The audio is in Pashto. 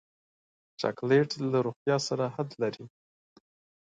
چاکلېټ له روغتیا سره حد لري.